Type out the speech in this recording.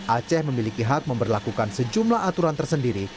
aceh memiliki hak memperlakukan sejumlah aturan tersendiri